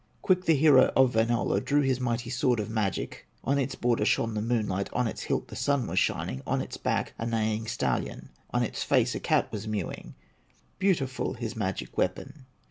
Quick the hero of Wainola Drew his mighty sword of magic; On its border shone the moonlight, On its hilt the Sun was shining, On its back, a neighing stallion, On its face a cat was mewing, Beautiful his magic weapon.